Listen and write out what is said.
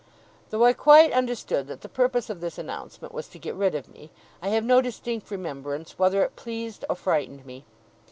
Though I quite understood that the purpose of this announcement was to get rid of me, I have no distinct remembrance whether it pleased or frightened me.